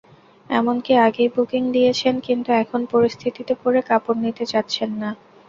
এমনকি আগেই বুকিং দিয়েছেন, কিন্তু এখন পরিস্থিতিতে পড়ে কাপড় নিতে চাচ্ছেন না।